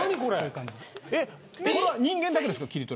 これは人間だけですか。